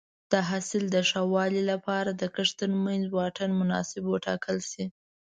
د حاصل د ښه والي لپاره د کښت ترمنځ واټن مناسب وټاکل شي.